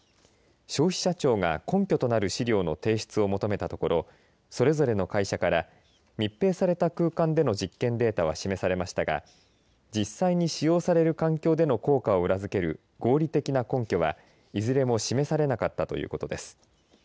消費者庁が根拠となる資料の提出を求めたところそれぞれの会社から密閉された空間での実験データは示されましたが実際に使用されいる環境での効果を裏付ける合理的な根拠はいずれも示されなかったということです。